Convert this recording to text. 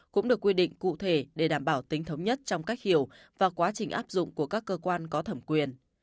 cũng được quy định cụ thể để đảm bảo tính thống nhất trong cách hiểu và quá trình áp dụng của các cơ quan có thẩm quyền